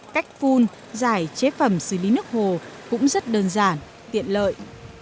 cách phun giải chế phẩm xử lý nước hồ cũng rất đơn giản tiện lợi